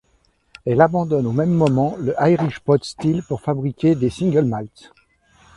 Elle abandonne au même moment le irish pot still pour fabriquer des single malts.